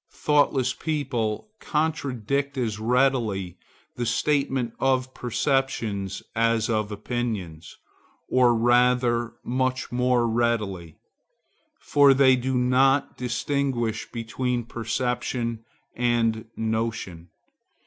Thoughtless people contradict as readily the statement of perceptions as of opinions, or rather much more readily; for they do not distinguish between perception and notion.